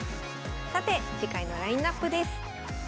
さて次回のラインナップです。